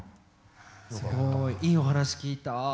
すごいいいお話聞いた。